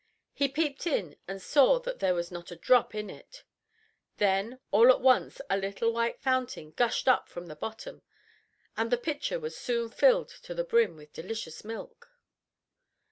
He peeped in and saw that there was not a drop in it; then all at once a little white fountain gushed up from the bottom, and the pitcher was soon filled to the brim with delicious milk.